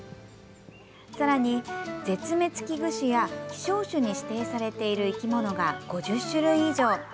さらに、絶滅危惧種や希少種に指定されている生き物が５０種類以上。